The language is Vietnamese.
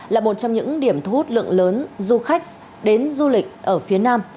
là một trong những điểm thu hút lượng lớn du khách đến du lịch ở phía nam